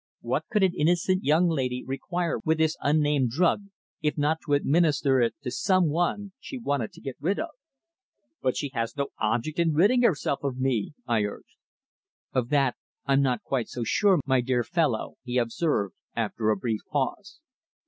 What could an innocent young lady require with this unnamed drug if not to administer it to some one she wanted to get rid of?" "But she has no object in ridding herself of me," I urged. "Of that I'm not quite so sure, my dear fellow," he observed, after a brief pause.